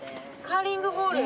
カーリングホール。